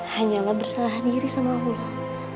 hanyalah bersalah diri sama allah